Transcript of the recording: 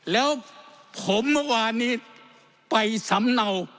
แล้วผมเมื่อวานนี้ไปสำเนา